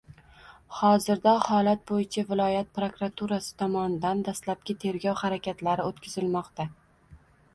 Hozirda holat bo‘yicha viloyat prokuraturasi tomonidan dastlabki tergov harakatlari o‘tkazilmoqda